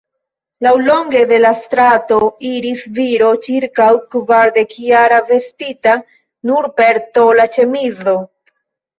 Laŭlonge de la strato iris viro ĉirkaŭ kvardekjara, vestita nur per tola ĉemizo.